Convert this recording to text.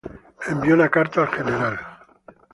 Envió entonces una carta al Gral.